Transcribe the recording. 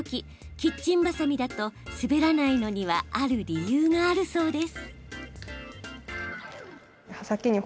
キッチンバサミだと滑らないのにはある理由があるそうです。